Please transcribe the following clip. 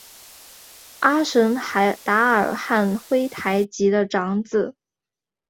阿什海达尔汉珲台吉的长子。